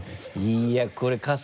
いやこれ春日